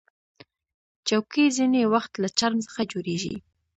چوکۍ ځینې وخت له چرم څخه جوړیږي.